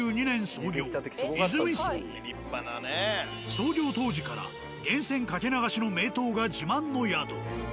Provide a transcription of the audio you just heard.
創業当時から源泉掛け流しの名湯が自慢の宿。